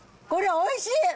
これ、おいしい！